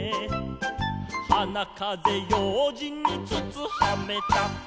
「はなかぜようじんにつつはめた」